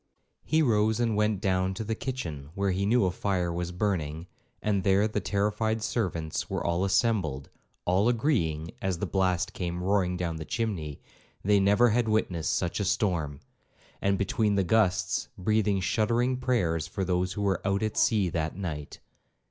He rose and went down to the kitchen, where he knew a fire was burning, and there the terrified servants were all assembled, all agreeing, as the blast came roaring down the chimney, they never had witnessed such a storm, and between the gusts, breathing shuddering prayers for those who were 'out at sea that night.'